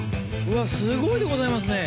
うわすごいでございますね！